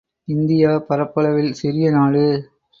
India, பரப்பளவில் சிறிய நாடு.